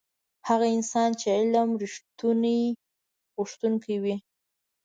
هغه انسان چې علم رښتونی غوښتونکی وي.